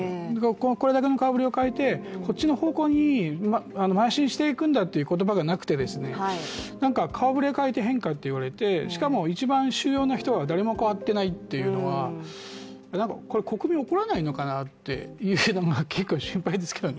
これだけの顔ぶれを変えて、こっちの方向にまい進していくんだという言葉がなくて顔ぶれ変えて、変化と言われてしかも一番主要な人は誰も代わっていないというのは、国民怒らないのかなっていうのも結構、心配ですけどもね。